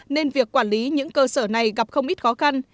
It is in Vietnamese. nên việc quản lý những cơ sở này gặp không ít khó khăn